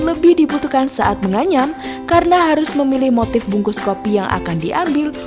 lebih dibutuhkan saat menganyam karena harus memilih motif bungkus kopi yang akan diambil